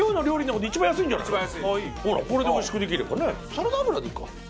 サラダ油でいいか。